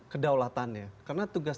kedaulatannya karena tugas